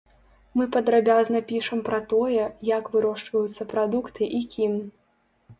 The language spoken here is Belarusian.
Мы падрабязна пішам пра тое, як вырошчваюцца прадукты і кім.